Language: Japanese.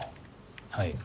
はい。